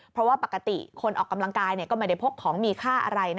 เพราะว่าปกติคนออกกำลังกายก็ไม่ได้พกของมีค่าอะไร